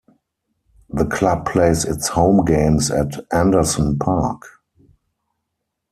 The club plays its home games at Anderson Park.